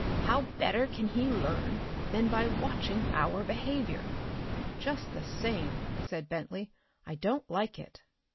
How better can he learn than by watching our behavior?" "Just the same," said Bentley, "I don't like it."